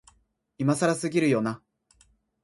今更すぎるよな、